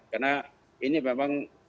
karena ini memang